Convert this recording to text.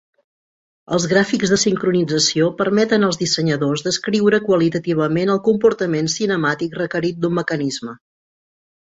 Els gràfics de sincronització permeten als dissenyadors descriure qualitativament el comportament cinemàtic requerit d'un mecanisme.